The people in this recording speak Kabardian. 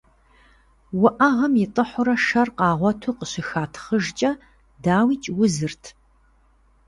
Уӏэгъэм итӏыхьурэ шэр къагъуэту къыщыхатхъыжкӏэ, дауикӏ, узырт.